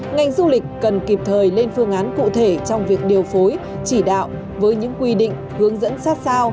ngành du lịch cần kịp thời lên phương án cụ thể trong việc điều phối chỉ đạo với những quy định hướng dẫn sát sao